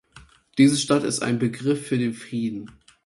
Diese Stadt ist ein Begriff für den Frieden.